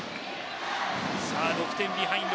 ６点ビハインド。